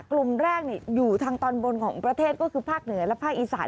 กลุ่มแรกอยู่ทางตอนบนของประเทศก็คือภาคเหนือและภาคอีสาน